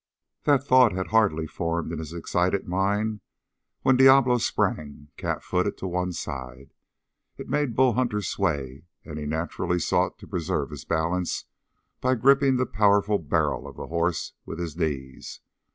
That thought had hardly formed in his excited mind when Diablo sprang, cat footed, to one side. It made Bull Hunter sway, and he naturally sought to preserve his balance by gripping the powerful barrel of the horse with his knees.